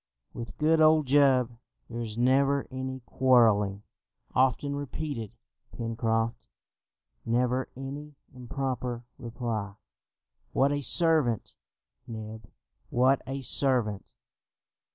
"With good old Jup there is never any quarrelling," often repeated Pencroft, "never any improper reply! What a servant, Neb, what a servant!"